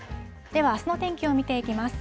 では、あすの天気を見ていきます。